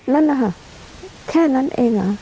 นั่นหรอแค่นั้นเอง